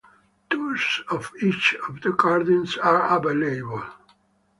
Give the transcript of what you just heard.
Tours of each of the gardens are available.